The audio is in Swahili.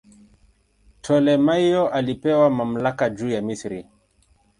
Ptolemaio alipewa mamlaka juu ya Misri.